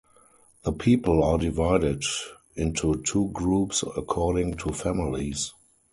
The people are divided into two groups according to families.